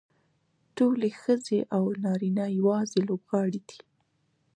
ټولې ښځې او نارینه یوازې لوبغاړي دي.